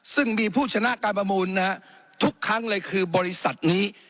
ซึ่งมีผู้ชนะการประมูลทุกครั้งเลยคือบริษัทนี้